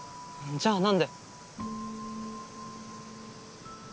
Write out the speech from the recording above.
じゃあ何で？